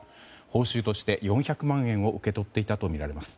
報酬として４００万円を受け取っていたとみられます。